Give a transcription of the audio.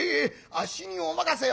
あっしにお任せを」。